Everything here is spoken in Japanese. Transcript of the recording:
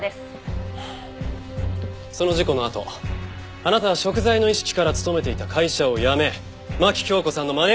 その事故のあとあなたは贖罪の意識から勤めていた会社を辞め牧京子さんのマネジャーに。